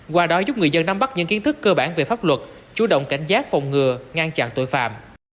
qua đó giúp người dân nắm bắt những kiến thức cơ bản về pháp luật chú động cảnh giác phòng ngừa ngăn chặn tội phạm